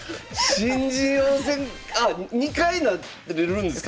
新人王戦あ２回なれるんですか？